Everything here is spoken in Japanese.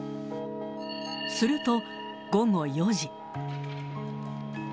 すると、午後４時。